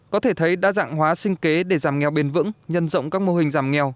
có thể thấy đa dạng hóa sinh kế để giảm nghèo bền vững nhân rộng các mô hình giảm nghèo